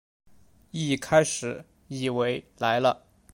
一开始以为来了